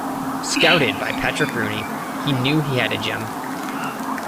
Scouted by Patrick Rooney, he knew he had a gem.